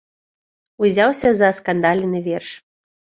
Узяўся за аскандалены верш.